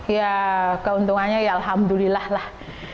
ya keuntungannya ya alhamdulillah